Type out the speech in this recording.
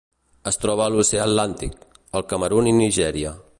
Es troba a l'Oceà Atlàntic: el Camerun i Nigèria.